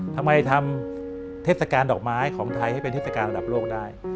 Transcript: ทำไมทำเทศกาลดอกไม้ของไทยให้เป็นเทศกาลระดับโลกได้